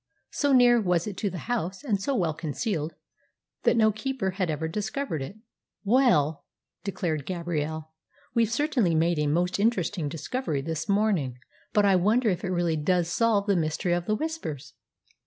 So near was it to the house, and so well concealed, that no keeper had ever discovered it. "Well," declared Gabrielle, "we've certainly made a most interesting discovery this morning. But I wonder if it really does solve the mystery of the Whispers?"